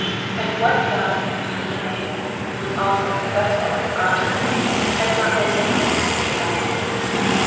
And what young and beautiful maiden, who is also successful as an artist, has not many enemies made by envy?